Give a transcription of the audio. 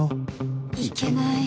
行けない